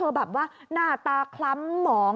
แบบว่าหน้าตาคล้ำหมอง